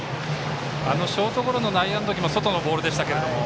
ショートゴロの内野の時も外のボールでしたけれども。